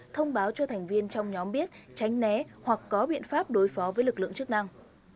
thông báo cho thành viên trong nhóm biết tránh né hoặc có biện pháp đối phó với lực lượng chức năng